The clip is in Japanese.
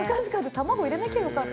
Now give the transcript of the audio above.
卵入れなきゃよかった。